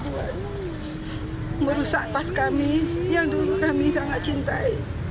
tidak ada cara merusak pas kami yang dulu kami sangat cintai